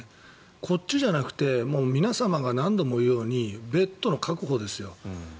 こっちじゃなくて皆様が何度も言うようにベッドの確保ですよ。